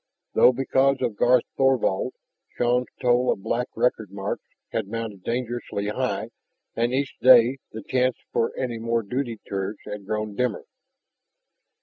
Though, because of Garth Thorvald, Shann's toll of black record marks had mounted dangerously high and each day the chance for any more duty tours had grown dimmer.